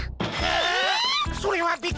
えっ！？